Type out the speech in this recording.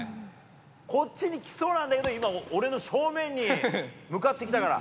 こっちに来そうなんだけど、今、俺の正面に向かってきたから。